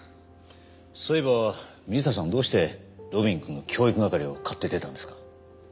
そういえば水田さんはどうして路敏くんの教育係を買って出たんですか？